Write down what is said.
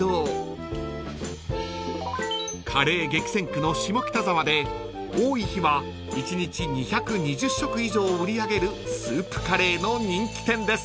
［カレー激戦区の下北沢で多い日は１日２２０食以上売り上げるスープカレーの人気店です］